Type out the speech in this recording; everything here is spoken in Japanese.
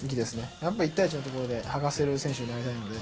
やっぱ１対１のところで剥がせる選手になりたいので。